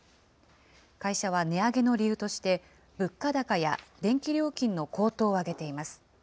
会社は値上げの理由として、物価高や電気料金の高騰を挙げています。